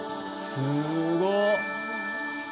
すごっ。